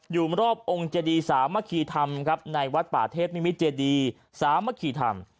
อยู่รอบองค์เจดีสามัคคีธรรมครับในวัดป่าเทพนิมิตเจดีสามัคคีธรรม